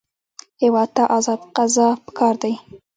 هېواد ته ازاد قضا پکار دی